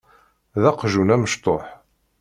D aqjun amecṭuḥ.